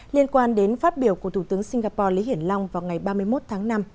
liên quan đến phát biểu của thủ tướng singapore lý hiển long vào ngày ba mươi một tháng năm